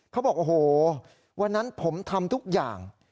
เขาบอกโอ้โหวันนั้นผมทำทุกอย่าง